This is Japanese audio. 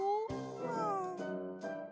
うん。